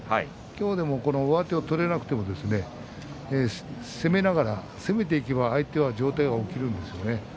今日も上手が取れなくても攻めていけば相手は上体が起きるんですよね。